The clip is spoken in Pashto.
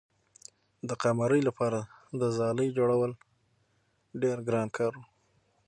د قمرۍ لپاره د ځالۍ جوړول ډېر ګران کار و.